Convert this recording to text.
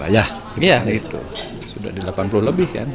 ya itu sudah di delapan puluh lebih kan